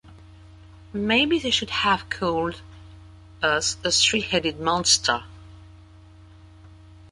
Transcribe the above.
Maybe they should have called us a three-headed monster!